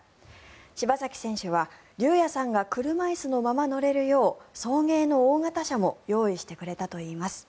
柴崎選手は龍弥さんが車椅子のまま乗れるよう送迎の大型車も用意してくれたといいます。